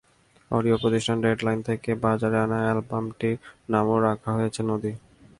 Audio প্রতিষ্ঠান deadline থেকে বাজারে আনা অ্যালবামটির নামও রাখা হয়েছে নদী।